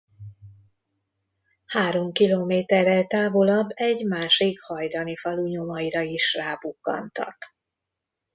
Három kilométerrel távolabb egy másik hajdani falu nyomaira is rábukkantak.